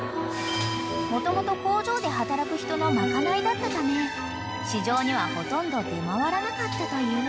［もともと工場で働く人の賄いだったため市場にはほとんど出回らなかったという］